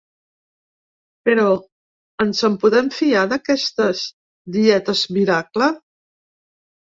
Però, ens en podem fiar, d’aquestes dietes «miracle»?